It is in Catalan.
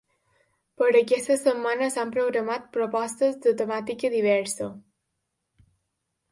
Per a aquesta setmana s'han programat propostes de temàtica diversa.